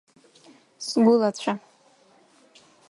Сгәылацәа…